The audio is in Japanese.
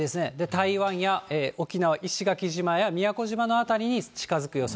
台湾や沖縄、石垣島や宮古島の辺りに近づく予想。